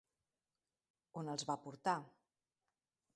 On els va portar?